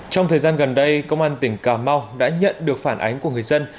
trong thời gian gần đây công an tỉnh cà mau đã nhận được phản ánh của người dân